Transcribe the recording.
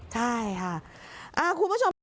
ใช่ค่ะคุณผู้ชม